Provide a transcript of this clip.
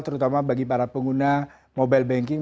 terutama bagi para pengguna mobile banking